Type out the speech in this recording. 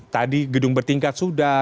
tadi gedung bertingkat sudah